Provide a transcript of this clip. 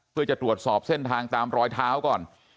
เพื่อจะตรวจสอบเส้นทางตามรอยเท้าก่อน